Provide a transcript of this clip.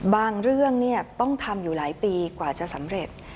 เรื่องต้องทำอยู่หลายปีกว่าจะสำเร็จ